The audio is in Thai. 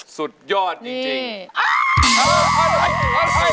สุดยอดจริง